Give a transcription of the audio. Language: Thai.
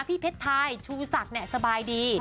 พี่เท่งชูศักดิ์เนี่ยสบายดิ